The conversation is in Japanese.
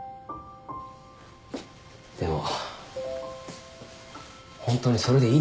でもホントにそれでいいのか？